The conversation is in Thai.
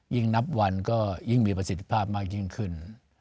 นับวันก็ยิ่งมีประสิทธิภาพมากยิ่งขึ้น